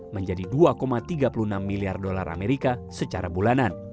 menjadi dua tiga puluh enam miliar dolar amerika secara bulanan